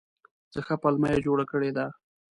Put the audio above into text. څه ښه پلمه یې جوړه کړې ده !